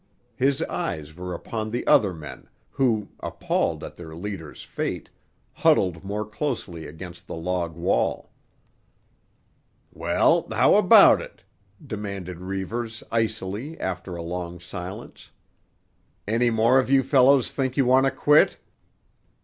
His eyes were upon the other men, who, appalled at their leader's fate, huddled more closely against the log wall. "Well, how about it?" demanded Reivers icily after a long silence. "Any more of you fellows think you want to quit?"